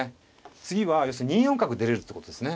次は要するに２四角出れるってことですね。